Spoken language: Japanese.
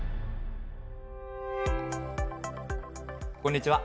こんにちは